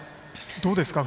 どうですか？